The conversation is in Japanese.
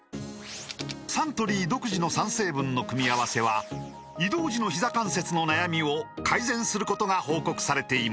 サントリー独自の３成分の組み合わせは移動時のひざ関節の悩みを改善することが報告されています